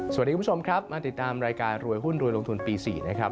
คุณผู้ชมครับมาติดตามรายการรวยหุ้นรวยลงทุนปี๔นะครับ